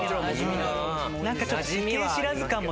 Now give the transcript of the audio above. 何かちょっと。